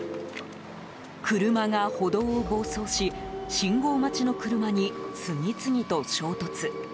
車が歩道を暴走し信号待ちの車に次々と衝突。